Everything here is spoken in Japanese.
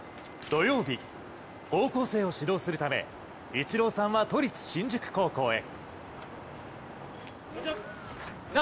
土曜日、高校生を指導するためイチローさんは都立新宿高校へ。